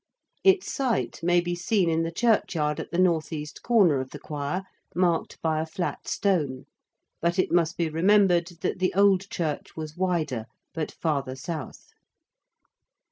Its site may be seen in the churchyard at the N.E. corner of the choir, marked by a flat stone, but it must be remembered that the old church was wider but farther south.